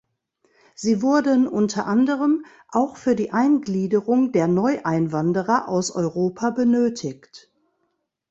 Sie wurden unter anderem auch für die Eingliederung der Neueinwanderer aus Europa benötigt.